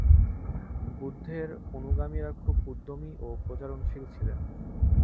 বুদ্ধের অনুগামীরা খুব উদ্যমী ও প্রচারশীল ছিলেন।